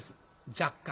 若干。